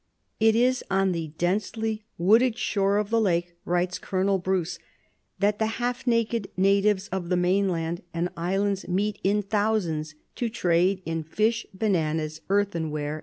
"It is on the denselv wooded shore of the lake," writes Colonel Bruce, "that the half naked natives of the mainland and islands meet in thousands to trade in fish, bananas, earthenware, &c.